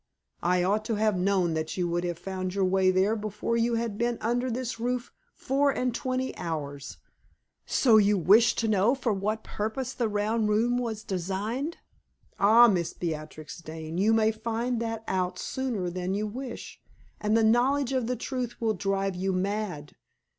I ought to have known that you would have found your way there before you had been under this roof four and twenty hours! So you wish to know for what purpose the round room was designed? Ah, Miss Beatrix Dane, you may find that out sooner than you wish, and the knowledge of the truth will drive you mad!